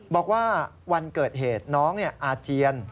บอกว่าวันเกิดเหตุน้องอาเจียน